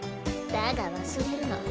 だが忘れるな。